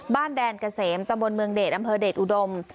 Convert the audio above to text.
แดนเกษมตำบลเมืองเดชอำเภอเดชอุดม